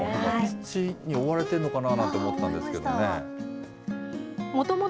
土に覆われているのかななんて思ったんですけどね。